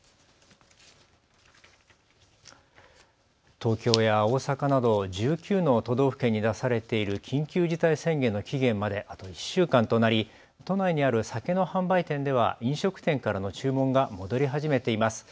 東京や大阪など１９の都道府県に出されている緊急事態宣言の期限まであと１週間となり都内にある酒の販売店では飲食店からの注文が戻り始めています。